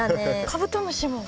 カブトムシも。